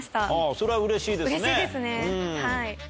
それはうれしいですね。